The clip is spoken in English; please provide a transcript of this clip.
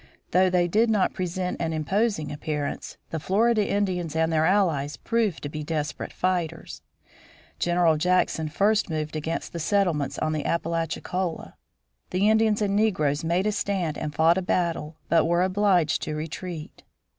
Though they did not present an imposing appearance, the Florida Indians and their allies proved to be desperate fighters. [Illustration: ANDREW JACKSON] General Jackson first moved against the settlements on the Appalachicola. The Indians and negroes made a stand and fought a battle, but were obliged to retreat.